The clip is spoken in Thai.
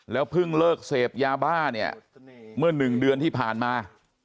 เพิ่งเลิกเสพยาบ้าเนี่ยเมื่อ๑เดือนที่ผ่านมา